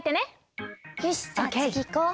よしじゃあつぎいこう。